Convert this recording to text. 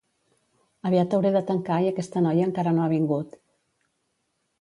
Aviat hauré de tancar i aquesta noia encara no ha vingut